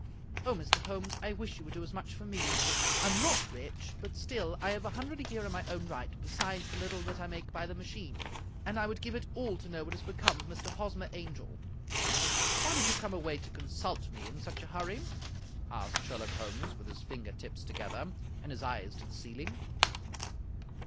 Oh, Mr. Holmes, I wish you would do as much for me. I'm not rich, but still I have a hundred a year in my own right, besides the little that I make by the machine, and I would give it all to know what has become of Mr. Hosmer Angel." " Why did you come away to consult me in such a hurry?" asked Sherlock Holmes, with his finger tips to gether, and his eyes to the ceiling.